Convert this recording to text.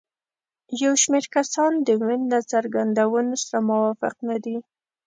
یو شمېر کسان د وین له څرګندونو سره موافق نه دي.